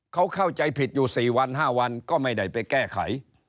เขาเข้าใจผิดอยู่๔วัน๕วันก็ไม่ได้ไปแก้ไข